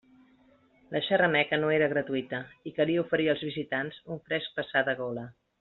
La xerrameca no era gratuïta i calia oferir als visitants un fresc passar de gola.